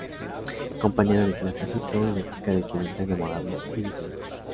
Compañera de clase Rito y la chica de quien está enamorado, y viceversa.